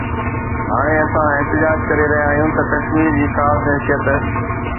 هاڻي اسان احتجاج ڪري رهيا آهيون ته ڪشمير جي خاص حيثيت